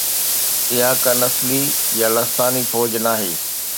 اها ڪا نسلي يا لساني فوج ناهي.